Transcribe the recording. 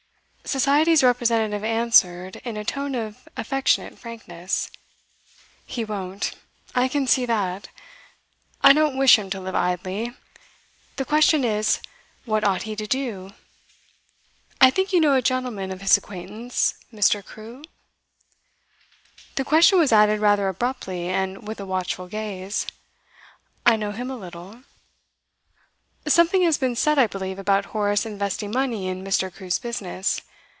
Society's representative answered in a tone of affectionate frankness: 'He won't; I can see that. I don't wish him to live idly. The question is, What ought he to do? I think you know a gentleman of his acquaintance, Mr. Crewe?' The question was added rather abruptly, and with a watchful gaze. 'I know him a little.' 'Something has been said, I believe, about Horace investing money in Mr. Crewe's business.